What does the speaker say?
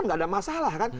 nggak ada masalah kan